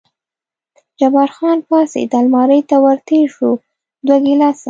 جبار خان پاڅېد، المارۍ ته ور تېر شو، دوه ګیلاسه.